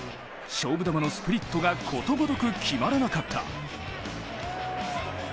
勝負球のスプリットがことごとく決まらなかった。